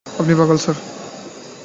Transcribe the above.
আপনি পাগল, স্যার!